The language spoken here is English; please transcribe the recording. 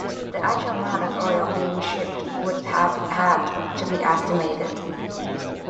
The actual amount of oil being shipped would have had to be estimated.